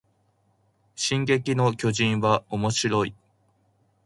進撃の巨人はおもしろい